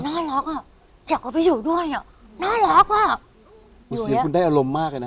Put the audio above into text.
น่ารักอ่ะอยากเอาไปอยู่ด้วยอ่ะน่ารักอ่ะเสียงคุณได้อารมณ์มากเลยนะ